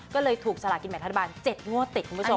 ก็เลยถูกสลากินแบ่งรัฐบาล๗งวดติดคุณผู้ชม